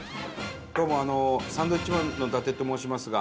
どうもサンドウィッチマンの伊達と申しますが。